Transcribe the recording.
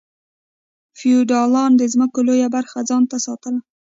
فیوډالانو د ځمکو لویه برخه ځان ته ساتله.